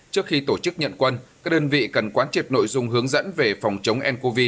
trước khi tổ chức nhận quân các đơn vị cần quán triệp nội dung hướng dẫn về phòng chống ncov